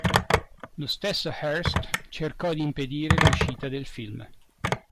Lo stesso Hearst cercò di impedire l'uscita del film.